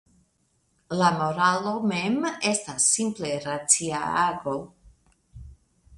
La moralo mem estas simple racia ago.